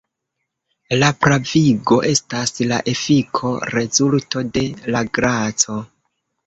La pravigo estas la efiko-rezulto de la graco.